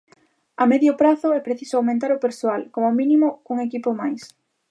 A medio prazo é preciso aumentar o persoal, como mínimo, cun equipo máis.